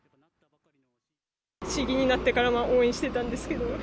市議になってからは応援してたんですけど。